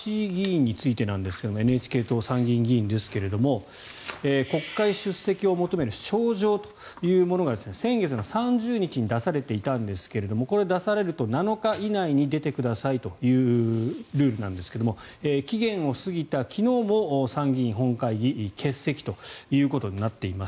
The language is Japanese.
そしてガーシー議員についてなんですがＮＨＫ党、参議院議員ですが国会出席を求める招状というものが先月３０日に出されていたんですがこれを出されると７日以内に出てくださいというルールなんですが期限を過ぎた昨日も参議院本会議欠席ということになっています。